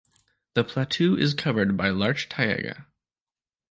The plateau is covered by larch taiga.